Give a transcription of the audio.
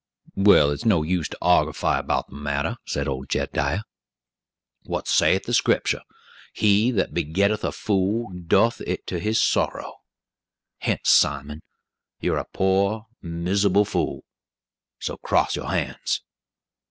"Well, it's no use to argify about the matter," said old Jed diah. "What saith the Scriptur'? 'He that begetteth a fool, doeth it to his sorrow.' Hence, Simon, you're a poor, misubble fool, so cross your hands!"